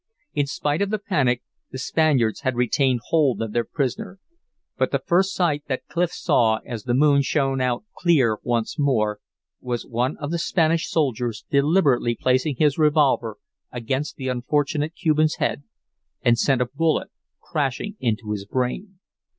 In spite of the panic the Spaniards had retained hold of their prisoner. But the first sight that Clif saw as the moon shone out clear once more, was one of the Spanish soldiers deliberately placing his revolver against the unfortunate Cuban's head and sent a bullet crashing into his brain.